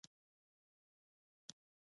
بودا د سولې او مینې پیغام راوړ.